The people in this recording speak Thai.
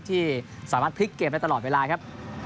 ที่สามารถพลิกเกมได้ตลอดเวลาครับ